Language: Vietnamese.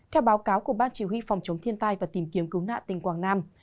theo báo cáo của ban chỉ huy phòng chống thiên tai và tìm kiếm cứu nạn tỉnh quảng nam